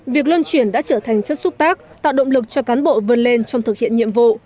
việc luân chuyển đã trở thành chất xúc tác tạo động lực cho cán bộ vươn lên trong thực hiện nhiệm vụ